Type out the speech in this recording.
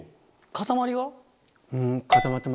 固まりは？